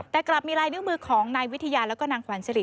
แต่กลับมีลายนิ้วมือของนายวิทยาแล้วก็นางขวัญสิริ